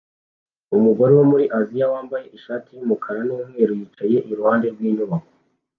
Umugore wo muri Aziya wambaye ishati yumukara numweru yicaye iruhande rwinyubako